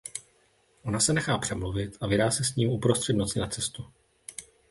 Ona se nechá přemluvit a vydá se s ním uprostřed noci na cestu.